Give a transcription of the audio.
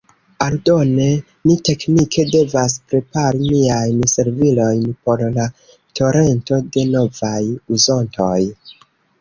Aldone, ni teknike devas prepari niajn servilojn por la torento de novaj uzontoj.